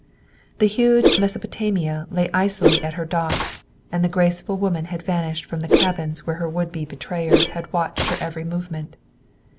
The huge "Mesopotamia" lay icily at her docks, and the graceful woman had vanished from the cabins where her would be betrayer had watched her every movement.